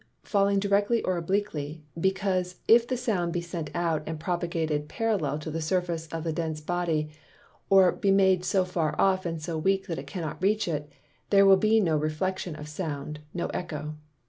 falling directly or obliquely; because, if the Sound be sent out and propagated parallel to the Surface of the Dense Body, or be made so far off and so weak, that it cannot reach it, there will be no Reflection of Sound, no Eccho.